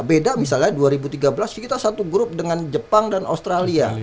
beda misalnya dua ribu tiga belas kita satu grup dengan jepang dan australia